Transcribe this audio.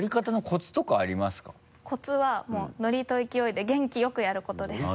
コツはもうノリと勢いで元気よくやることです。